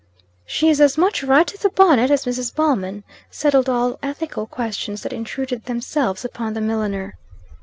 "She's as much right to the bonnet as Mrs. Ballman," settled all ethical questions that intruded themselves upon the milliner.